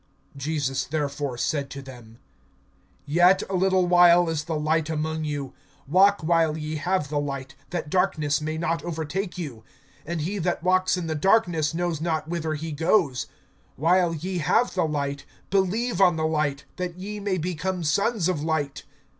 (35)Jesus therefore said to them: Yet a little while is the light among you. Walk while ye have the light, that darkness may not overtake you; and he that walks in the darkness knows not whither he goes. (36)While ye have the light, believe on the light, that ye may become sons of light.